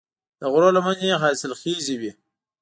د غرونو لمنې حاصلخیزې وي.